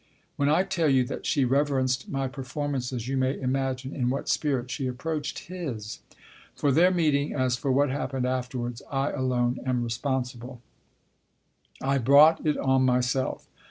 When I tell you that she reverenced my performances you may imagine in what spirit she approached his. For their meeting, as for what happened afterwards, I alone am responsible. I brought it on myself.